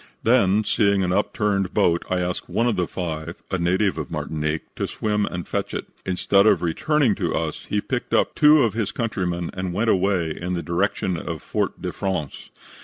Then, seeing an upturned boat, I asked one of the five, a native of Martinique, to swim and fetch it. Instead of returning to us, he picked up two of his countrymen and went away in the direction of Fort de France.